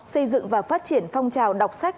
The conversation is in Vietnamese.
xây dựng và phát triển phong trào đọc sách